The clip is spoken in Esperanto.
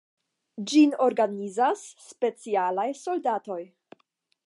Ĝin organizas specialaj soldatoj.